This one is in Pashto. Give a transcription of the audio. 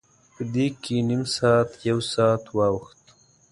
په دې کې نیم ساعت، یو ساعت واوښت.